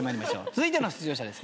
続いての出場者です。